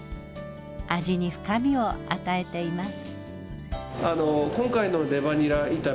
味に深みを与えています。